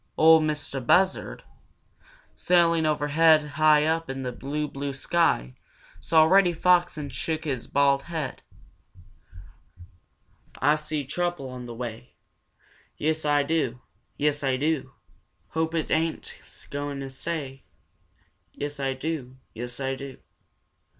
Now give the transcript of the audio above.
'Ol Mistah Buzzard, sailing overhead high up in the blue, blue sky, saw Reddy Fox and shook his bald head: "Ah see Trouble on the way; Yes, Ah do! Yes, Ah do! Hope it ain't a gwine to stay; Yes, Ah do! Yes, Ah do!